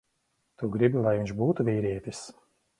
Tu gribi, lai viņš būtu vīrietis.